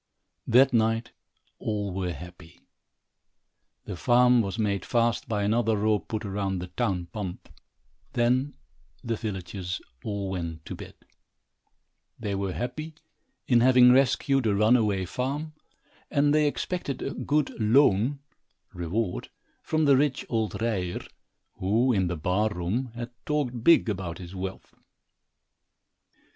That night all were happy. The farm was made fast by another rope put round the town pump. Then the villagers all went to bed. They were happy in having rescued a runaway farm, and they expected a good "loon" (reward) from the rich old Ryer, who, in the barroom, had talked big about his wealth.